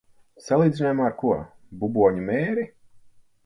Salīdzinājumā ar ko? Buboņu mēri?